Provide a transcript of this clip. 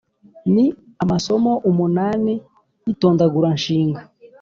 Ni amasomo umunani y’itondaguranshinga.